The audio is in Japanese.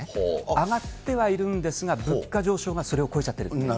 上がってはいるんですが、物価上昇がそれを超えちゃっている。